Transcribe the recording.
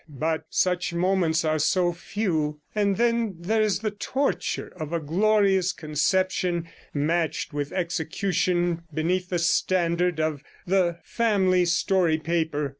But such moments are so few; and then there is the torture of a glorious conception matched with execution beneath the standard of the "Family Story Paper".